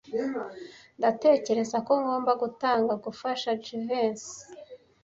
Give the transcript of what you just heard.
Ndatekereza ko ngomba gutanga gufasha Jivency.